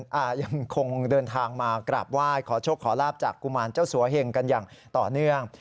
ยังคงเดินทางมากราบไหว้ขอโชคขอลาบจากกุมารเจ้าสัวเหงกันอย่างต่อเนื่อง